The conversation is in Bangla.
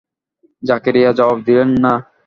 জাকারিয়া জবাব দিলেন না।